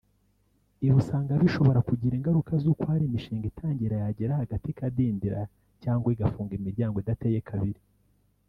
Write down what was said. Ibi usanga bishobora kugira ingaruka z’uko hari imishinga itangira yagera hagati ikadindira cyangwa igafunga imiryango idateye kabiri